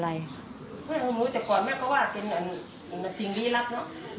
ไม่รู้แต่ก่อนแม่ก็ว่าเป็นสิ่งลี้ลับเนอะ